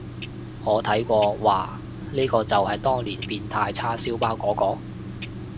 我睇過，嘩，呢個就係當年變態叉燒包嗰個？